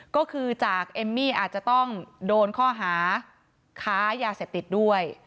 ก็คืออาจจะต้องโดนค่าหาค้ายาเสพติดด้วย